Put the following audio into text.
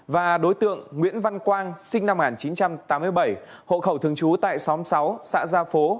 và đối tượng nguyễn văn quang sinh năm một nghìn chín trăm tám mươi bảy hộ khẩu thường trú tại xóm sáu xã gia phố